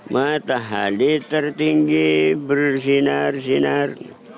matahari tertinggi bersinar sinar